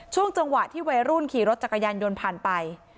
ช่วงจังหวะที่วัยรุ่นขี่รถจักรยานยนต์ผ่านไป